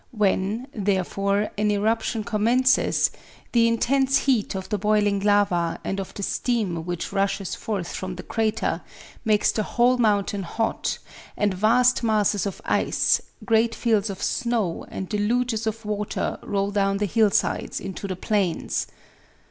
When, therefore, an eruption commences, the intense heat of the boiling lava, and of the steam which rushes forth from the crater, makes the whole mountain hot, and vast masses of ice, great fields of snow, and deluges of water roll down the hill sides into the plains.